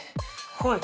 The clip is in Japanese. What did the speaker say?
はい。